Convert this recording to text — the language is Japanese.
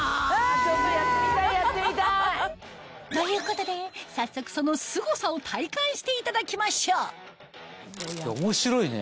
ちょっとやってみたいやってみたい！ということで早速そのすごさを体感していただきましょう面白いね！